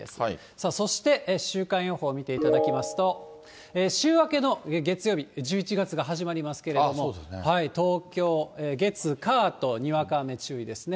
さあ、そして週間予報を見ていただきますと、週明けの月曜日、１１月が始まりますけれども、東京、月、火とにわか雨注意ですね。